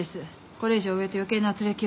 これ以上上と余計なあつれきを生むのは。